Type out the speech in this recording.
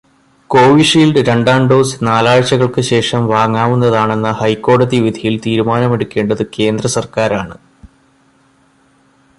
കോവിഷീല്ഡ് രണ്ടാം ഡോസ് നാലാഴ്ചകള്ക്കു ശേഷം വാങ്ങാവുന്നതാണെന്ന ഹൈക്കോടതി വിധിയില് തീരുമാനമെടുക്കേണ്ടത് കേന്ദ്ര സര്ക്കാരാണ്.